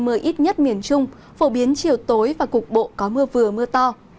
mưa ít nhất miền trung phổ biến chiều tối và cục bộ có mưa vừa mưa to